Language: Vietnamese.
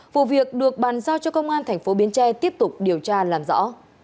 vụ việc được bàn giao cho công an thành phố bến tre tiếp tục điều tra làm rõ